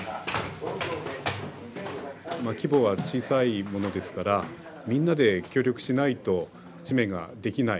規模は小さいものですからみんなで協力しないと紙面ができない。